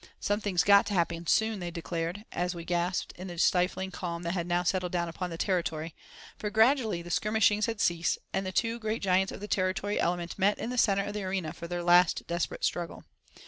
"Something's got to happen soon," they declared, as we gasped in the stifling calm that had now settled down upon the Territory; for gradually the skirmishings had ceased, and the two great giants of the Territory element met in the centre of the arena for their last desperate struggle.